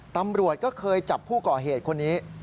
ตำรวจก็เคยจับผู้ก่อเหตุคนนี้